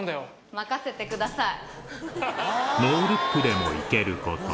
任せてください。